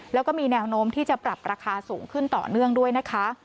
แล้วก็มีแนวโน้มที่จะปรับราคาสูงขึ้นต่อเนื่องด้วยนะคะ